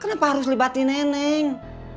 kenapa harus libatin neneng